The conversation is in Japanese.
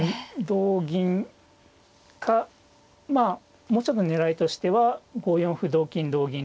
同銀かまあもう一つの狙いとしては５四歩同金同銀